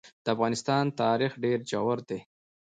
د افغانستان تاریخ ډېر ژور دی.